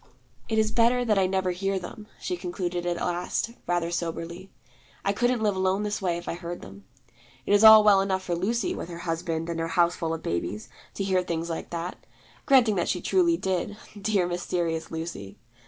'It is better that I never hear them,' she concluded at last, rather soberly. 'I couldn't live alone this way if I heard them. It is all well enough for Lucy, with her husband and her houseful of babies, to hear things like that; granting that she truly did, dear mysterious Lucy!